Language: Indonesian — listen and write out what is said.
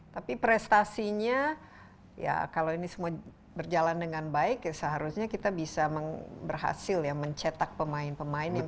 tapi prestasinya ya kalau ini semua berjalan dengan baik ya seharusnya kita bisa berhasil ya mencetak pemain pemain yang